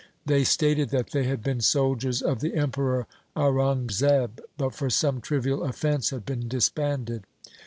They stated that they had been soldiers of the Emperor Aurang zeb, but for some trivial offence had been disbanded.